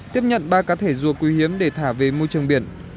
tiếp nhận ba cá thể rùa quý hiếm để thả về môi trường biển